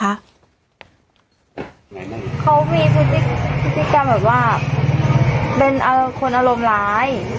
เขามีพฤติกรรมแบบว่าเป็นคนอารมณ์ร้าย